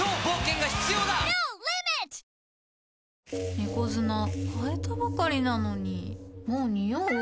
猫砂替えたばかりなのにもうニオう？